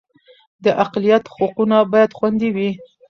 د اقلیت حقونه باید خوندي وي